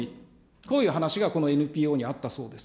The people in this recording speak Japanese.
こういう話がこのＮＰＯにあったそうです。